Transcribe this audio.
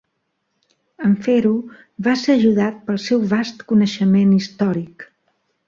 En fer-ho, va ser ajudat pel seu vast coneixement històric.